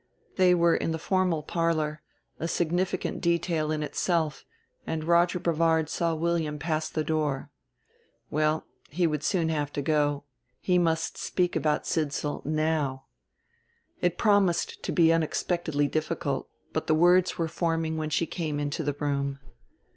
They were in the formal parlor, a significant detail in itself, and Roger Brevard saw William pass the door. Well, he would soon have to go, he must speak about Sidsall now. It promised to be unexpectedly difficult; but the words were forming when she came into the room.